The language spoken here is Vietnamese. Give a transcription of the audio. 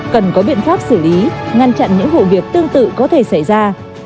cần có biện pháp xử lý ngăn chặn những vụ việc tương tự có thể xảy ra